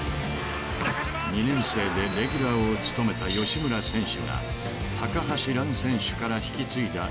［２年生でレギュラーを務めた吉村選手が橋藍選手から引き継いだ強力なチームだった］